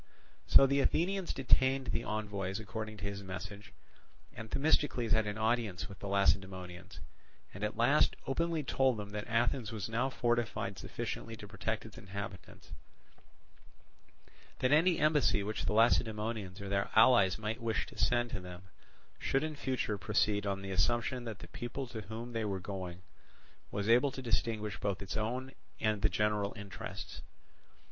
So the Athenians detained the envoys according to his message, and Themistocles had an audience with the Lacedaemonians, and at last openly told them that Athens was now fortified sufficiently to protect its inhabitants; that any embassy which the Lacedaemonians or their allies might wish to send to them should in future proceed on the assumption that the people to whom they were going was able to distinguish both its own and the general interests.